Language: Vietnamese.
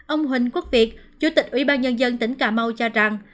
ông huỳnh quốc việt chủ tịch ủy ban nhân dân tỉnh cà mau cho rằng